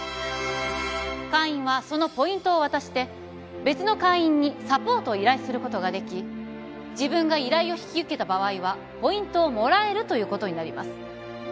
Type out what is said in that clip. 会員はそのポイントを渡して別の会員にサポートを依頼することができ自分が依頼を引き受けた場合はポイントをもらえるということになります